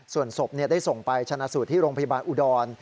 ส่วนศพได้ส่งไปชนะสูตรที่โรงพยาบาลอุดร